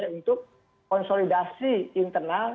untuk konsolidasi internal